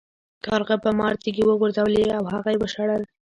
کارغه په مار تیږې وغورځولې او هغه یې وشړل.